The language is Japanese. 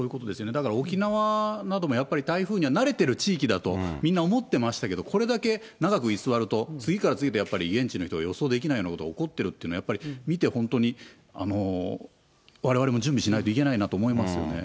だから、沖縄などもやっぱり台風には慣れてる地域だと、みんな思ってましたけど、これだけ長く居座ると、次から次へとやっぱり現地の人が予想できないことが起こってるというのは、やっぱり見て、本当にわれわれも準備しないといけないなと思いますよね。